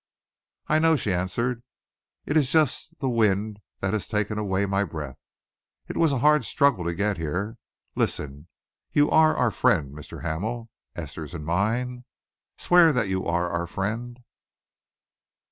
"I know," she answered. "It is just the wind that has taken away my breath. It was a hard struggle to get here. Listen you are our friend, Mr. Hamel Esther's and mine? Swear that you are our friend?"